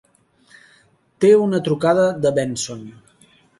Té una trucada de Benson.